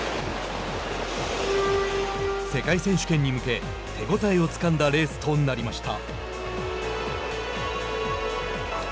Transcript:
世界選手権に向け手応えをつかんだレースとなりました。